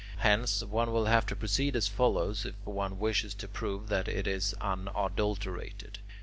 Hence, one will have to proceed as follows, if one wishes to prove that it is unadulterated.